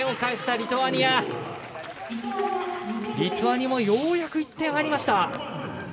リトアニアもようやく１点入りました。